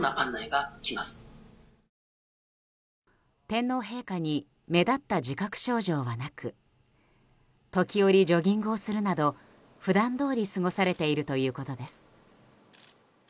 天皇陛下に目立った自覚症状はなく時折、ジョギングをするなど普段どおり過ごされているということです。